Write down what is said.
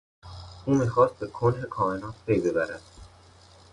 او میخواست به کنه کائنات پی ببرد.